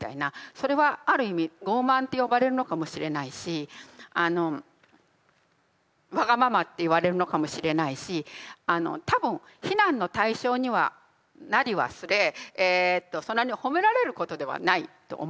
それはある意味傲慢って呼ばれるのかもしれないしあのわがままって言われるのかもしれないし多分非難の対象にはなりはすれそんなに褒められることではないと思うんですよ。